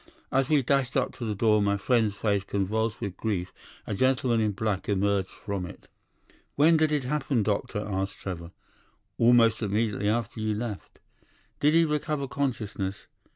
As we dashed up to the door, my friend's face convulsed with grief, a gentleman in black emerged from it. "'When did it happen, doctor?' asked Trevor. "'Almost immediately after you left.' "'Did he recover consciousness?